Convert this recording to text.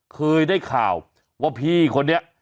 เคยได้ข่าวว่าพี่คนนี้